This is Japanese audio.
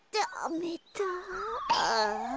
ああ。